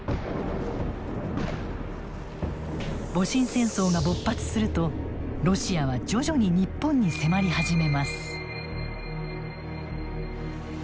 戊辰戦争が勃発するとロシアは徐々に日本に迫り始めます。